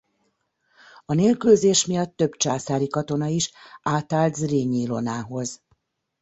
A nélkülözés miatt több császári katona is átállt Zrínyi Ilonához.